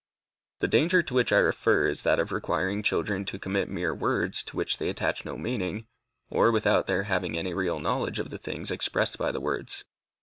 The danger to which I refer is that of requiring children to commit mere words, to which they attach no meaning, or without their having any real knowledge of the things expressed by the words.